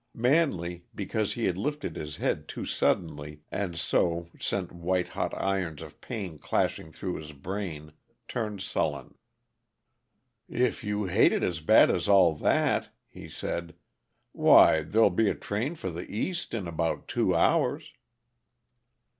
Manley, because he had lifted his head too suddenly and so sent white hot irons of pain clashing through his brain, turned sullen. "If you hate it as bad as all that," he said, "why, there'll be a train for the East in about two hours."